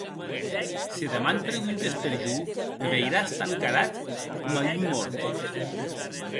Se deman preguntes per jo, me veiràs tan carat coma un mòrt.